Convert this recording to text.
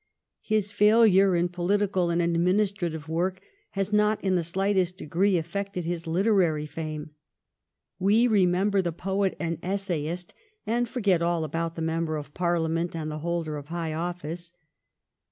His failure in political and administrative work has not in the slightest degree affected his literary fame. We remember the poet and essayist, and forget all about the member of Parliament and the holder of high office.